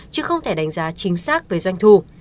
chứ không thể đánh giá chính xác về doanh thu